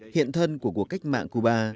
hiện thân của cuộc cách mạng cuba